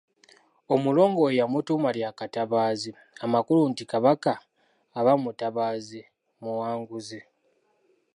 Omulongo we yamutuuma lya Katabaazi amakulu nti Kabaka aba mutabaazi muwanguzi.